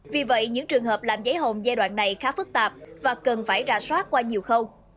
vì vậy những trường hợp làm giấy hồn giai đoạn này khá phức tạp và cần phải ra soát qua nhiều khâu